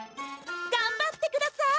がんばってください！